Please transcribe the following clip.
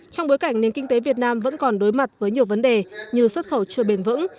trong bối cảnh nền kinh tế việt nam vẫn còn đối mặt với nhiều vấn đề như xuất khẩu chưa bền vững